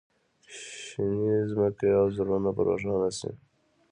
شینې ځمکې او زړونه په روښانه شي.